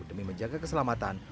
demi menjaga keselamatan